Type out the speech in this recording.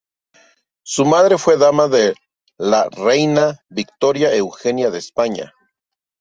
Su madre fue Dama de la Reina Victoria Eugenia de España.